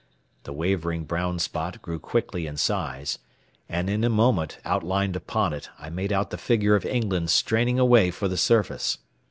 The wavering brown spot grew quickly in size, and in a moment, outlined upon it, I made out the figure of England straining away for the surface.